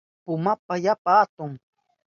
Pumaka yapa hatun.